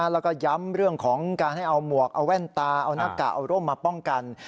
แล้วก็ย้ำเรื่องของการให้เอาหมวกเอาแว่นตาเอาหน้ากากเอาร่มมาป้องกัน